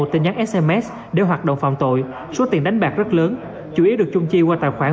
tin nhắn sms để hoạt động phạm tội số tiền đánh bạc rất lớn chủ yếu được chung chi qua tài khoản